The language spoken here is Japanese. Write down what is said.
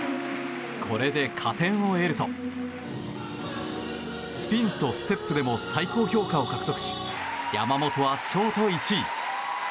これで加点を得るとスピンとステップでも最高評価を獲得し山本はショート１位。